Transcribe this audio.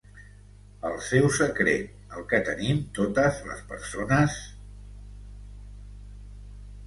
El seu secret, el que tenim totes les persones...